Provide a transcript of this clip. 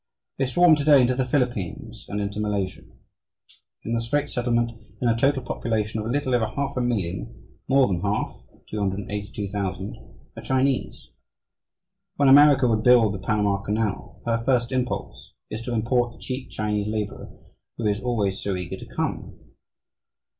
They swarm to day into the Philippines and into Malaysia. In the Straits Settlement, in a total population of a little over half a million, more than half (282,000) are Chinese. When America would build the Panama Canal, her first impulse is to import the cheap Chinese labourer, who is always so eager to come.